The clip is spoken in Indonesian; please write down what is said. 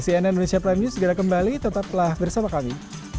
cnn indonesia prime news segera kembali tetaplah bersama kami